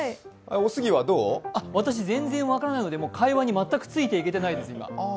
私、全然分からないので会話に全くついていけてないです、今。